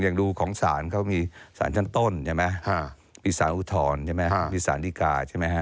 อย่างดูของศาลเขามีศาลชั้นต้นมีศาลอุทธรรมมีศาลดิกา